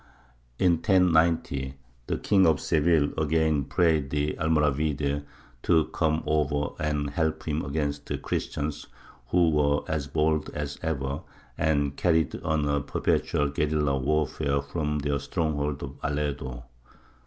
In 1090 the King of Seville again prayed the Almoravide to come over and help him against the Christians, who were as bold as ever, and carried on a perpetual guerilla warfare from their stronghold of Aledo.